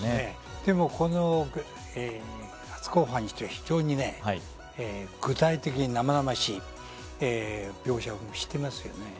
でもこの初公判にして、非常に具体的に生々しい描写をしていますね。